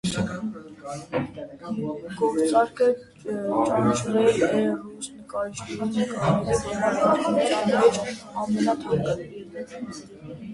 Գործարքը ճանաչվել է ռուս նկարիչների նկարների համար պատմության մեջ ամենաթանկը։